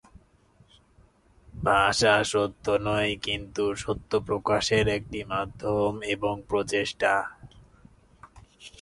ভাষা সত্য নয়, কিন্তু সত্য প্রকাশের একটি মাধ্যম এবং প্রচেষ্টা।